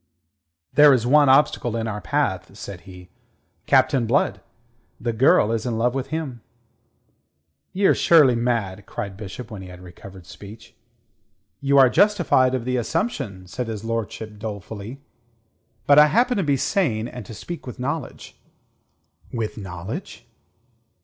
"There is one obstacle in our path," said he. "Captain Blood. The girl is in love with him." "Ye're surely mad!" cried Bishop, when he had recovered speech. "You are justified of the assumption," said his lordship dolefully. "But I happen to be sane, and to speak with knowledge." "With knowledge?"